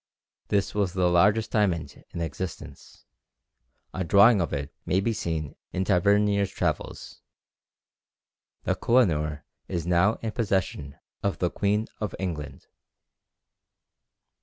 This is the largest diamond in existence; a drawing of it may be seen in Tavernier's Travels. [Footnote 1: The Koh i noor is now in the possession of the Queen of England.